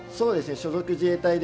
所属は自衛隊で。